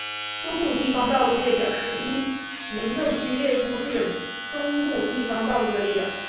中部地方道路列表是依行政区列出日本中部地方道路的列表。